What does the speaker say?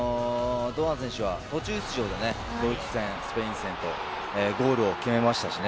途中出場でドイツ戦スペイン戦とゴールを決めましたし